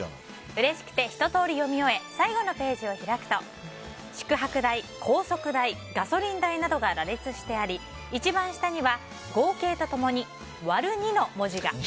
うれしくて、ひと通り読み終え最後のページを開くと宿泊代、高速代ガソリン代などが羅列してあり一番下には、合計と共に「割る２」の文字が。